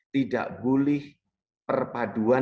tidak boleh perpaduan